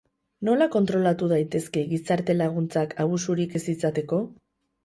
Nola kontrolatu daitezke gizarte-laguntzak, abusurik ez izateko?